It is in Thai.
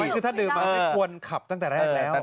คือถ้าดื่มมาไม่ควรขับตั้งแต่แรกแล้ว